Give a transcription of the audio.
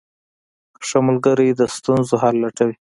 ښه ملګری د ستونزو حل لټوي.